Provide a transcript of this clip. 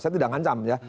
saya tidak mengancam ya